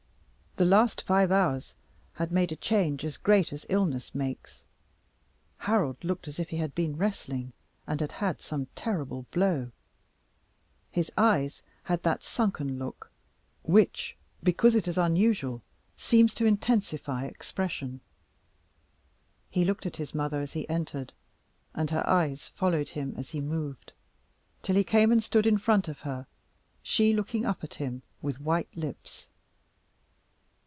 The last five hours had made a change as great as illness makes. Harold looked as if he had been wrestling, and had had some terrible blow. His eyes had that sunken look which, because it is unusual, seems to intensify expression. He looked at his mother as he entered, and her eyes followed him as he moved, till he came and stood in front of her, she looking up at him, with white lips.